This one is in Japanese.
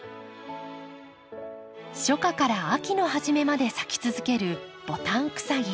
初夏から秋の初めまで咲き続けるボタンクサギ。